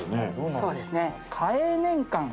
そうですね。